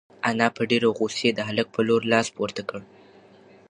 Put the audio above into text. انا په ډېرې غوسې د هلک په لور لاس پورته کړ.